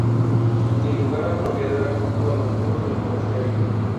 El lugar apropiado era junto a los muros del monasterio.